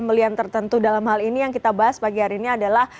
pembelian tertentu dalam hal ini yang kita bahas pagi hari ini adalah